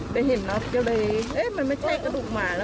ไปเห็นน็อตก็เลยเอ๊ะมันไม่ใช่กระดูกหมาแล้ว